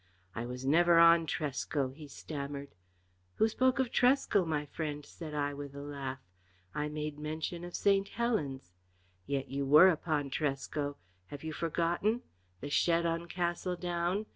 "I was never on Tresco," he stammered. "Who spoke of Tresco, my friend?" said I, with a laugh. "I made mention of St. Helen's. Yet you were upon Tresco. Have you forgotten? The shed on Castle Down?